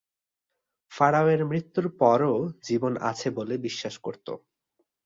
ফারাওয়ের মৃত্যুর পরও জীবন আছে বলে বিশ্বাস করত।